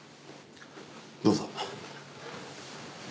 どうぞ。